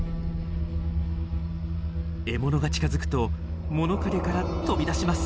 獲物が近づくと物陰から飛び出します。